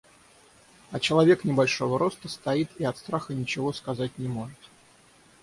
А человек небольшого роста стоит и от страха ничего сказать не может.